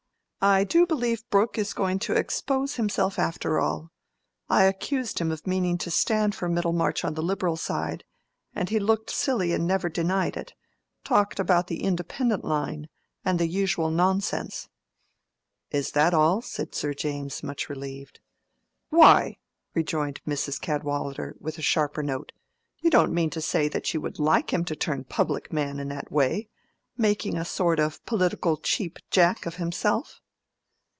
"I do believe Brooke is going to expose himself after all. I accused him of meaning to stand for Middlemarch on the Liberal side, and he looked silly and never denied it—talked about the independent line, and the usual nonsense." "Is that all?" said Sir James, much relieved. "Why," rejoined Mrs. Cadwallader, with a sharper note, "you don't mean to say that you would like him to turn public man in that way—making a sort of political Cheap Jack of himself?"